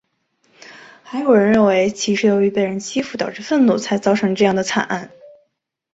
还有人认为其是由于被人欺负导致愤怒才造成这样的惨案。